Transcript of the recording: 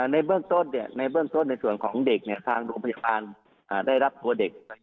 ในเบื้องต้นในเบื้องต้นในส่วนของเด็กทางโรงพยาบาลได้รับตัวเด็ก